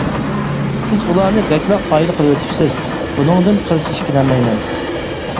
سىز ئۇلارنى بەكلا قايىل قىلىۋېتىپسىز، بۇنىڭدىن قىلچە ئىككىلەنمەيمەن.